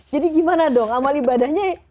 jadi gimana dong amal ibadahnya